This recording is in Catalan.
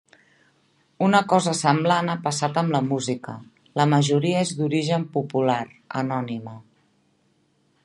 Una cosa semblant ha passat amb la música: la majoria és d'origen popular, anònima.